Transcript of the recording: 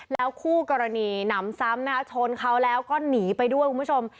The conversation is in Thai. แล้วคู่กรณีหนำซ้ำนะคะชนเขาแล้วก็หนีไปด้วยคุณผู้ชม